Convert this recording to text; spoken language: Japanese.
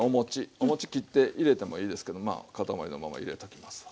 お餅切って入れてもいいですけどまあ塊のまま入れときますわ。